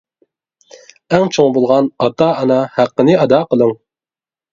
ئەڭ چوڭ بولغان ئاتا-ئانا ھەققىنى ئادا قىلىڭ.